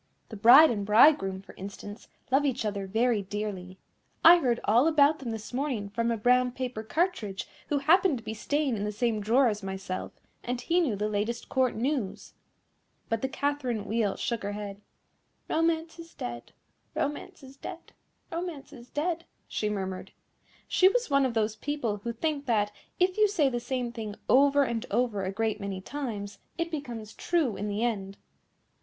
The bride and bridegroom, for instance, love each other very dearly. I heard all about them this morning from a brown paper cartridge, who happened to be staying in the same drawer as myself, and he knew the latest Court news." But the Catherine Wheel shook her head. "Romance is dead, Romance is dead, Romance is dead," she murmured. She was one of those people who think that, if you say the same thing over and over a great many times, it becomes true in the end.